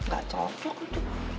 gak cocok itu pa